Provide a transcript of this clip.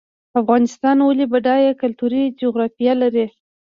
افغانستان ولې بډایه کلتوري جغرافیه لري؟